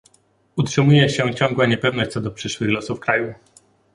Utrzymuje się ciągła niepewność co do przyszłych losów kraju